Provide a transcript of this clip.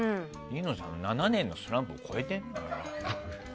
飯野さん、７年のスランプを乗り越えてんだから。